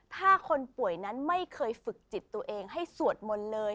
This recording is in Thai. ถ้าคนป่วยนั้นไม่เคยฝึกจิตตัวเองให้สวดมนต์เลย